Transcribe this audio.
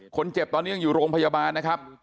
คนเจ็บตอนนี้ยังอยู่โรงพยาบาลนะครับ